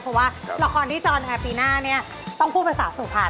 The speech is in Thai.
เพราะว่าละครที่จอลให้ปีหน้าต้องพูดภาษาสุพรรณ